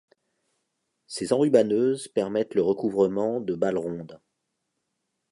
Ces enrubanneuses permettent le recouvrement de balles rondes.